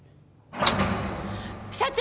社長！